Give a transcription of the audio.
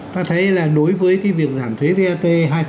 ta thấy là đối với cái việc giảm thuế vat hai